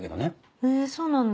へぇそうなんだ。